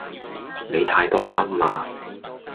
你太多心啦